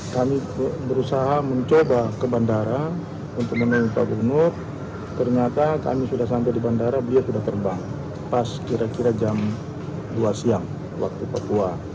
kami berusaha mencoba ke bandara untuk menemui pak gubernur ternyata kami sudah sampai di bandara beliau sudah terbang pas kira kira jam dua siang waktu papua